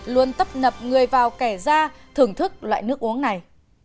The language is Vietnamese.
luôn tấp nập người vào kẻ ra thưởng thức loại nước uống này